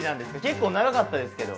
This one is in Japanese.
結構長かったですけど。